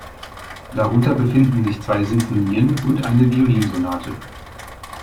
Darunter befinden sich zwei Sinfonien und eine Violinsonate.